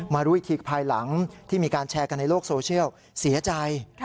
รู้อีกทีภายหลังที่มีการแชร์กันในโลกโซเชียลเสียใจ